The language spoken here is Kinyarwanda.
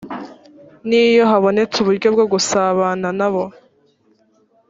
n iyo habonetse uburyo bwo gusabana na bo